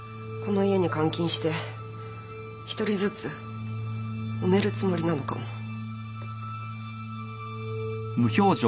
この家に監禁して１人ずつ埋めるつもりなのかも。